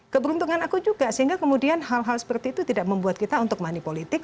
keberuntungan aku juga sehingga kemudian hal hal seperti itu tidak membuat kita untuk money politik